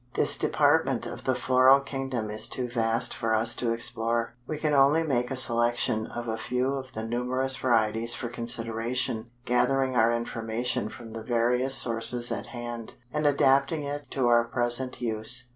This department of the Floral kingdom is too vast for us to explore; we can only make a selection of a few of the numerous varieties for consideration, gathering our information from the various sources at hand, and adapting it to our present use.